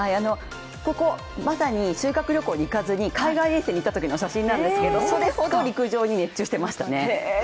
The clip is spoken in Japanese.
ここ、まさに修学旅行に行かずに海外遠征に行ったときの写真なんですけどそれほど陸上に熱中していましたね。